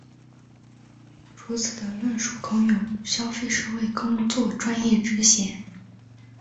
如此的论述恐有消费社会工作专业之嫌。